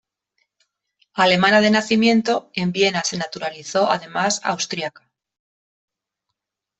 Alemana de nacimiento, en Viena se naturalizó además austriaca.